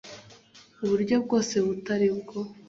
buryo bwose butari bwo